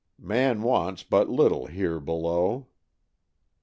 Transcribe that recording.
Man wants but little here below."